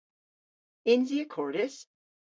Yns i akordys?